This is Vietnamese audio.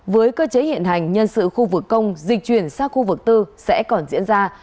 với cơ chế hiện hành nhân sự khu vực công dịch chuyển sang khu vực tư sẽ còn diễn ra